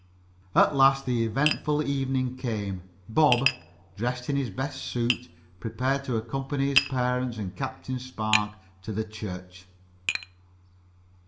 At last the eventful evening came. Bob, dressed in his best suit, prepared to accompany his parents and Captain Spark to the church.